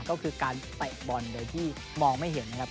ก็คือการเตะบอลโดยที่มองไม่เห็นนะครับ